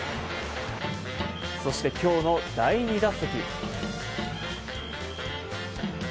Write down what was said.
そして今日の第２打席。